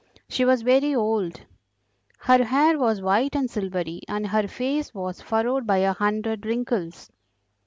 She was very old: her hair was white and silvery, and her face was furrowed by a hundred wrinkles.